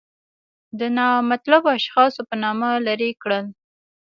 د نامطلوبو اشخاصو په نامه لرې کړل.